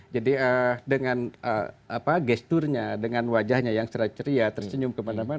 jadi dengan gesturnya dengan wajahnya yang ceria tersenyum kemana mana